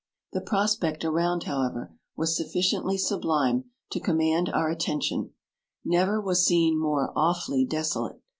93 The prospect around, however, was sufficiently sublime to command our attention — never was scene more aw fully desolate.